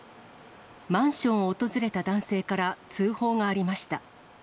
マンションを訪れた男性から通報がありました。